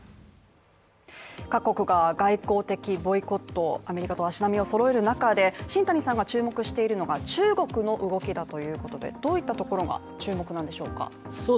各国が外交的ボイコット、アメリカと足並みを揃える中で、新谷さんが注目しているのが中国の動きだということで、どういったところが注目なんでしょうか